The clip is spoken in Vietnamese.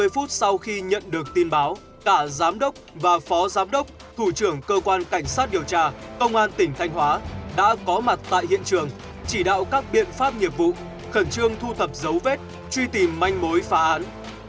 ba mươi phút sau khi nhận được tin báo cả giám đốc và phó giám đốc thủ trưởng cơ quan cảnh sát điều tra công an tỉnh thanh hóa đã có mặt tại hiện trường chỉ đạo các biện pháp nghiệp vụ khẩn trương thu thập dấu vết truy tìm manh mối phá án